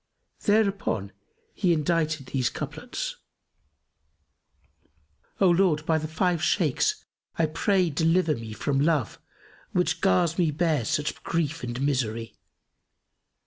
Thereupon he indited these couplets, "O Lord, by the Five Shaykhs, I pray deliver me * From love, which gars me bear such grief and misery.